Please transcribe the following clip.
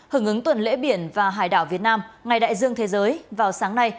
hưởng ứng tuần lễ biển và hải đảo việt nam ngày đại dương thế giới vào sáng nay